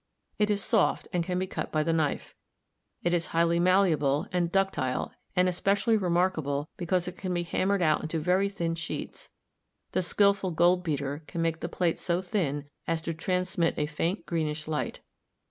It is soft and can be cut by the knife. It is highly malleable and ductile and especially remarkable because it can be hammered out into very thin sheets; the skilful gold beater can make the plates so thin as to transmit a faint greenish light.